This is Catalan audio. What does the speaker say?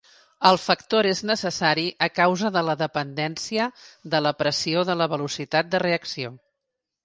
El factor és necessari a causa de la dependència de la pressió de la velocitat de reacció.